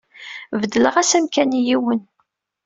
Beddleɣ-as amkan i yiwen.